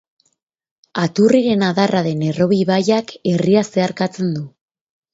Aturriren adarra den Errobi ibaiak herria zeharkatzen du.